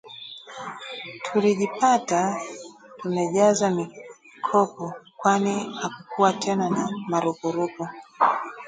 Tulijipata tumejaza mikopo kwani hakukuwa tena na marupurupu